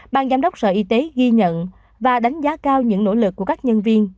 ban giám đốc sở y tế ghi nhận và đánh giá cao những nỗ lực của các nhân viên